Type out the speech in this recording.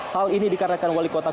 hal ini dikarenakan